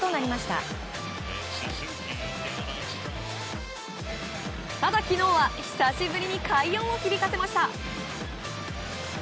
ただ、昨日は久しぶりに快音を響かせました。